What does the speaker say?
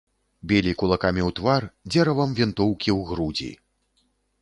Білі кулакамі ў твар, дзеравам вінтоўкі ў грудзі.